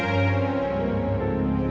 setelah hati om